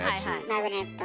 マグネットのね。